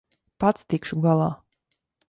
Pats tikšu galā.